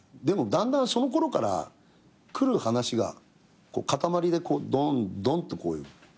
でもだんだんそのころから来る話がかたまりでドンドンとこういう。